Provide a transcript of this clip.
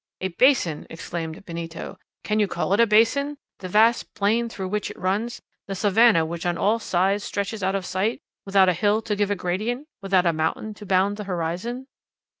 "A basin!" exclaimed Benito. "Can you call it a basin, the vast plain through which it runs, the savannah which on all sides stretches out of sight, without a hill to give a gradient, without a mountain to bound the horizon?"